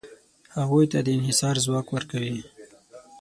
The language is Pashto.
هغوی ته د انحصار ځواک ورکوي.